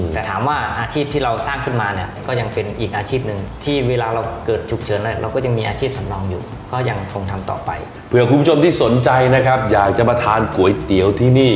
แต่ถามว่าอาชีพที่เราสร้างขึ้นมาเนี่ย